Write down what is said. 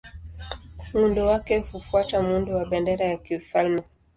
Muundo wake hufuata muundo wa bendera ya kifalme.